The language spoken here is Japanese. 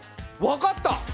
わかった！